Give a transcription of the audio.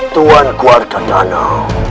tuan kuarka tanah